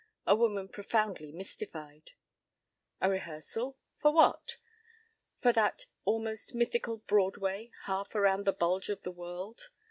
(A woman profoundly mystified.) A rehearsal? For what? For that almost mythical Broadway half around the bulge of the world?